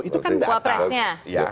itu kan dua persnya